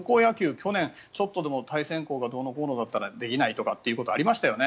去年、ちょっとでも対戦校がどうのこうのならできないというのがありましたよね。